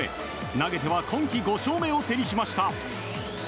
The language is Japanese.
投げては今季５勝目を手にしました。